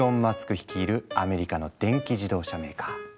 率いるアメリカの電気自動車メーカー。